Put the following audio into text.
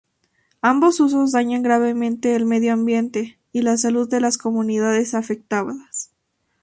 Ambos usos dañan gravemente el medio ambiente y la salud de las comunidades afectadas.